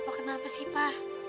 pa kenapa sih pa